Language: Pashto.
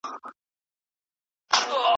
دی یوازې له خپل ځان سره پاتې شو.